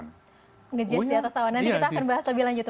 nge jazz di atas tahun nanti kita akan bahas lebih lanjut ya